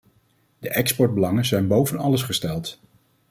De exportbelangen zijn boven alles gesteld.